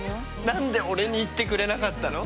何で俺に言ってくれなかったの？